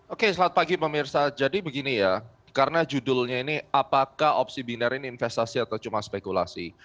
oke selamat pagi pemirsa jadi begini ya karena judulnya ini apakah opsi binar ini investasi atau cuma spekulasi